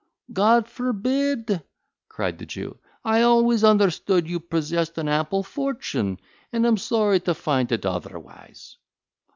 "God forbid!" cried the Jew, "I always understood you possessed an ample fortune, and am sorry to find it otherwise."